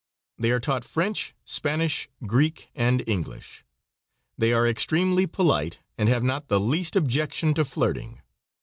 They are taught French, Spanish, Greek, and English. They are extremely polite, and have not the least objection to flirting.